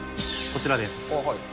こちらです。